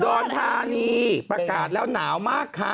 อนธานีประกาศแล้วหนาวมากค่ะ